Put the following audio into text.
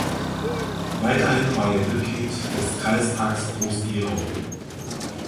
Weiterhin war er Mitglied des Kreistags Groß-Gerau.